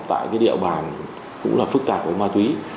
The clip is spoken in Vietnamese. tại cái địa bàn cũng là phức tạp với ma túy